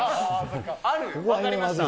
分かりました。